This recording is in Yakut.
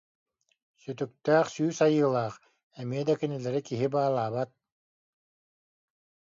Сүтүктээх сүүс айыылаах, эмиэ да кинилэри киһи баалаабат